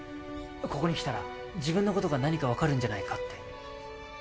ここに来たら自分のことが何か分かるんじゃないかって